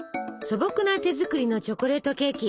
素朴な手作りのチョコレートケーキ。